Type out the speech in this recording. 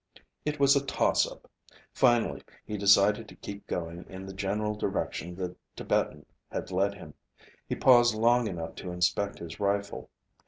It was a tossup. Finally he decided to keep going in the general direction the Tibetan had led him. He paused long enough to inspect his rifle.